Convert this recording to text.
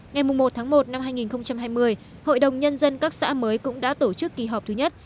ngày một một hai nghìn hai mươi hội đồng nhân dân các xã mới cũng đã tổ chức kỳ họp thứ nhất